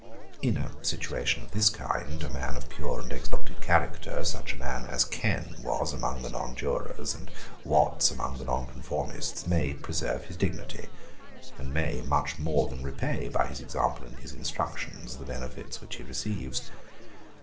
In a situation of this kind, a man of pure and exalted character, such a man as Ken was among the nonjurors, and Watts among the nonconformists, may preserve his dignity, and may much more than repay by his example and his instructions the benefits which he receives.